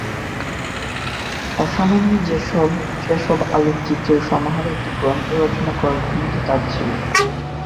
অসামান্য সেসব আলোকচিত্রের সমাহারে একটি গ্রন্থ রচনা করার ক্ষমতা তাঁর ছিল।